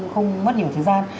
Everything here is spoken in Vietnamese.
không mất nhiều thời gian